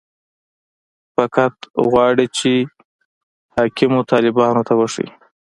فقط غواړي چې حاکمو طالبانو ته وښيي.